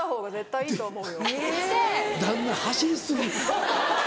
旦那走り過ぎ。